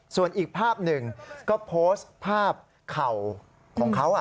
ส่วนอีกภาพหนึ่งก็โพสต์ภาพเข่าของเขา